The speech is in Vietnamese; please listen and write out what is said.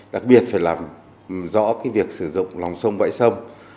đặc biệt phải làm rõ việc sử dụng lòng sông bãi sông